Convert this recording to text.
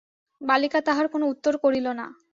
বালিকা তাহার কোনো উত্তর করিল না।